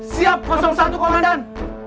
siap satu komandan